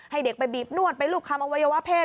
ให้เด็กไปบีบนวดไปรูปคำอวัยวะเพศ